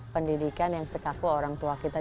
pendidikan yang sekaku orang tua kita